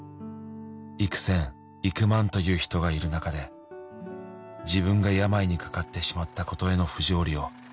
「幾千幾万という人がいる中で」「自分が病にかかってしまったことへの不条理を」